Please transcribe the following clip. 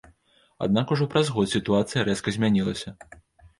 Аднак ужо праз год сітуацыя рэзка змянілася.